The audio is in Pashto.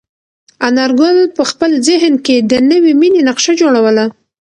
انارګل په خپل ذهن کې د نوې مېنې نقشه جوړوله.